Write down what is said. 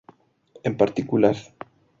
En particular